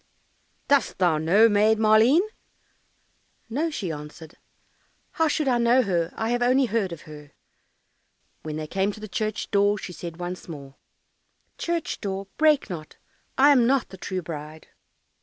"Dost thou know Maid Maleen?" "No," she answered, "how should I know her; I have only heard of her." When they came to the church door, she said once more, "Church door, break not, I am not the true bride."